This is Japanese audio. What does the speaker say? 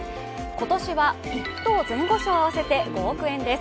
今年は１等前後賞合わせて５億円です。